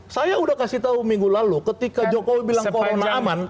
saya udah kasih tahu minggu lalu ketika jokowi bilang corona aman